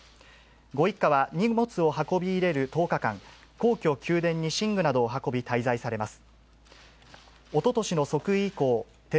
ご一家は荷物を運び入れる１０日間、皇居・宮殿に寝具などを運び滞在されます。